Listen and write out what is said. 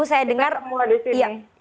kita semua di sini